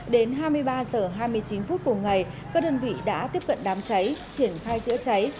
đến hai mươi ba h hai mươi chín phút của ngày các đơn vị đã tiếp cận đám cháy triển khai chữa cháy